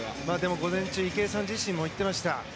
午前中池江さん自身も言っていました。